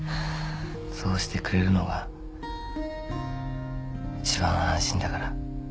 そうしてくれるのが一番安心だから。